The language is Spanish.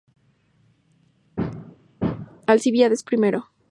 Alcibíades I